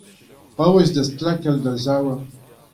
paouez da stlakal da zaouarn.